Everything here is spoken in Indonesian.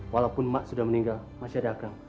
walaupun emak sudah meninggal masih ada akang